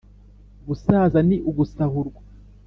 Gusaza ni ugusahurwa.